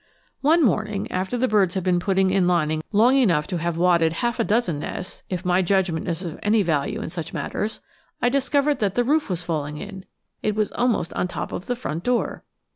One morning after the birds had been putting in lining long enough to have wadded half a dozen nests if my judgment is of any value in such matters I discovered that the roof was falling in; it was almost on top of the front door!